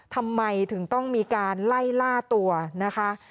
ทำไมถึงต้องมีการไล่ล่าตัวนะคะ